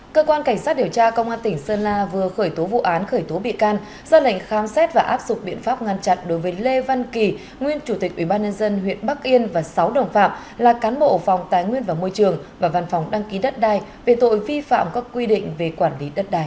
cơ quan cảnh sát điều tra công an tỉnh sơn la vừa khởi tố vụ án khởi tố bị can do lệnh khám xét và áp dụng biện pháp ngăn chặn đối với lê văn kỳ nguyên chủ tịch ubnd huyện bắc yên và sáu đồng phạm là cán bộ phòng tài nguyên và môi trường và văn phòng đăng ký đất đai về tội vi phạm các quy định về quản lý đất đai